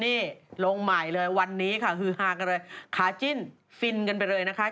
นี่ลงใหม่เลยวันนี้ค่ะฮือฮากันเลยขาจิ้นฟินกันไปเลยนะคะ